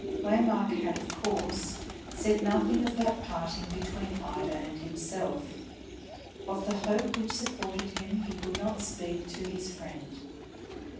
Waymark had of course said nothing of that parting between Ida and himself. Of the hope which supported him he could not speak to his friend.